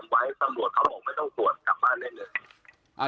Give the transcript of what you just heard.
เพื่อแจ้งความว่าให้สำรวจเขาบอกไม่ต้องตรวจจับบ้านได้เลย